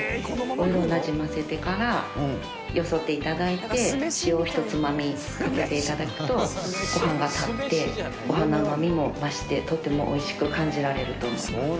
オイルをなじませてからよそって頂いて塩ひとつまみかけて頂くとご飯が立ってご飯の甘みも増してとても美味しく感じられると思います。